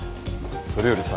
それよりさ。